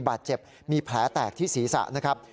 บาดเจ็บมีแผลแตกที่ศีรษะนะครับ